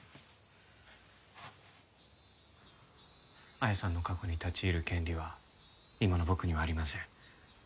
彩さんの過去に立ち入る権利は今の僕にはありません。